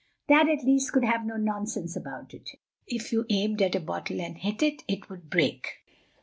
That, at least, could have no nonsense about it. If you aimed at a bottle and hit it it would break.